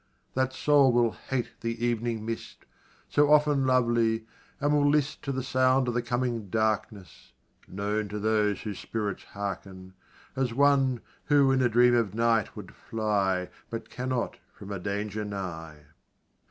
That soul will hate the ev'ning mist, So often lovely, and will list To the sound of the coming darkness (known To those whose spirits hearken) as one Who, in a dream of night, would fly But cannot from a danger nigh.